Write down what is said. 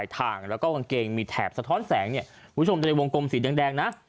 ทางแล้วก็กางเกงมีแถบสะท้อนแสงเนี่ยคุณผู้ชมดูในวงกลมสีแดงนะ